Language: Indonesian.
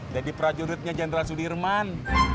jadi prajuritnya jendral sudirman